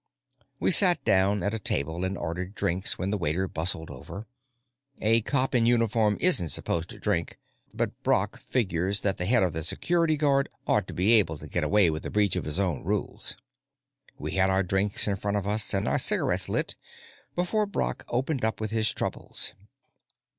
We sat down at a table and ordered drinks when the waiter bustled over. A cop in uniform isn't supposed to drink, but Brock figures that the head of the Security Guard ought to be able to get away with a breach of his own rules. We had our drinks in front of us and our cigarettes lit before Brock opened up with his troubles.